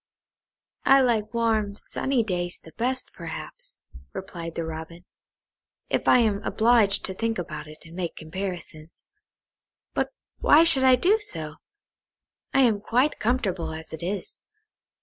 "I like warm sunny days the best, perhaps," replied the Robin, "if I am obliged to think about it and make comparisons. But why should I do so? I am quite comfortable as it is.